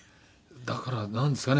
だからなんですかね